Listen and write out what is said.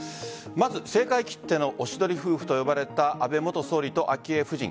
まず、政界きってのおしどり夫婦と呼ばれた安倍元総理と昭恵夫人。